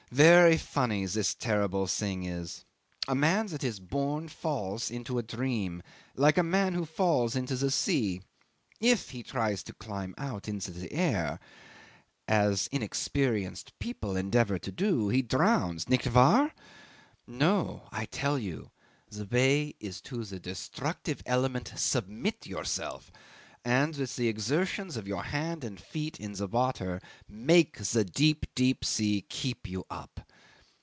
Very funny this terrible thing is. A man that is born falls into a dream like a man who falls into the sea. If he tries to climb out into the air as inexperienced people endeavour to do, he drowns nicht wahr? ... No! I tell you! The way is to the destructive element submit yourself, and with the exertions of your hands and feet in the water make the deep, deep sea keep you up.